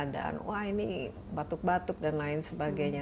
dan wah ini batuk batuk dan lain sebagainya